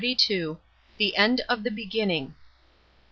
THE END OF THE BEGINNING.